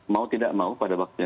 mau tidak mau pada waktu itu